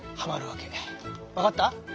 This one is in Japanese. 分かった？